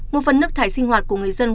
một phần nước thải sinh hoạt của người dân